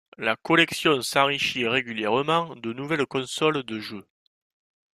La collection s'enrichit régulièrement de nouvelles consoles de jeux.